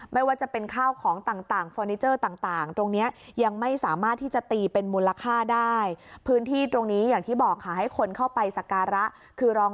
ไม่ว่าจะเป็นข้าวของต่างฟอนิเจอร์ต่าง